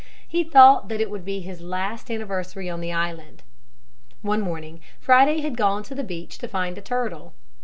He thought that it would be his last anniversary on the island. One morning, Friday had gone to the beach to find a turtle.